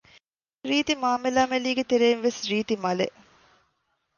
ރީތި މާމެލާމެލީގެ ތެރެއިން ވެސް ރީތި މަލެއް